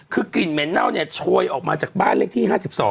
คือกลิ่นเหม็นเน่าเนี่ยโชยออกมาจากบ้านเลขที่๕๒